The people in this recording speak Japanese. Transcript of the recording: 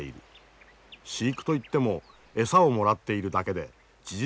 飼育といっても餌をもらっているだけで事実